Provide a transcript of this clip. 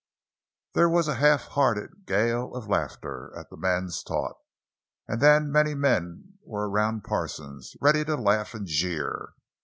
There was a half hearted gale of laughter at the man's taunt; and then many men were around Parsons, ready to laugh and jeer.